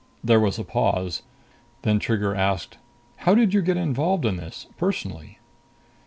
There was a pause. Then Trigger asked, "How did you get involved in this, personally?"